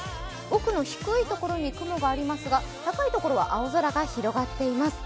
奥の低いところに雲がありますが高いところは青空が広がっています。